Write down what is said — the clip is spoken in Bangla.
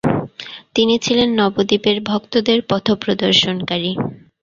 তিনি ছিলেন নবদ্বীপের ভক্তদের পথপ্রদর্শনকারী।